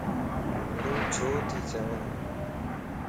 تون ڇو تي چوين؟